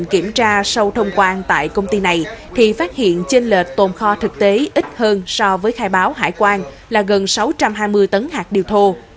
khi kiểm tra sau thông quan tại công ty này thì phát hiện trên lệch tồn kho thực tế ít hơn so với khai báo hải quan là gần sáu trăm hai mươi tấn hạt điều thô